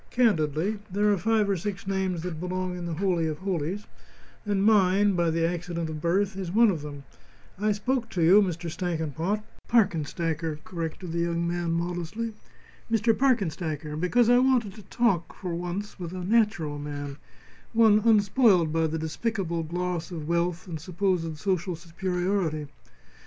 Candidly, there are five or six names that belong in the holy of holies, and mine, by the accident of birth, is one of them. I spoke to you, Mr. Stackenpot " "Parkenstacker," corrected the young man, modestly. " Mr. Parkenstacker, because I wanted to talk, for once, with a natural man one unspoiled by the despicable gloss of wealth and supposed social superiority.